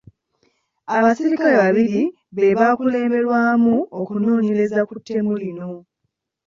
Abasirikale babiri be baakulemberamu okunoonyereza ku ttemu lino.